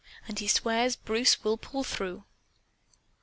And he swears Bruce will pull through!"